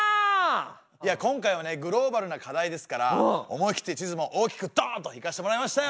いや今回はねグローバルな課題ですから思い切って地図も大きくドンといかしてもらいましたよ。